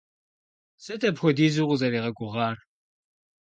Сыт апхуэдизу укъызэригъэгугъар?